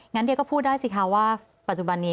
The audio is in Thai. เดียก็พูดได้สิคะว่าปัจจุบันนี้